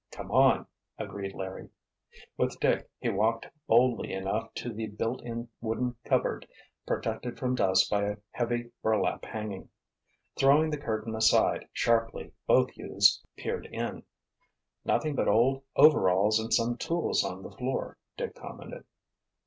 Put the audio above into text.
"Come on!" agreed Larry. With Dick he walked boldly enough to the built in wooden cupboard, protected from dust by a heavy burlap hanging. Throwing the curtain aside sharply, both youths peered in. "Nothing but old overalls and some tools on the floor," Dick commented.